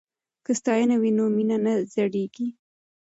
که ستاینه وي نو مینه نه سړیږي.